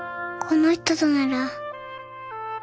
この人となら。